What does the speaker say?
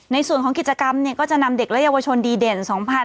ในส่วนของกิจกรรมก็จะนำเด็กและเยาวชนดีเด่น๒๕๕๙